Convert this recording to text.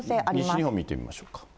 西日本見てみましょうか。